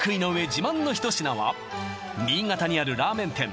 自慢の一品は新潟にあるラーメン店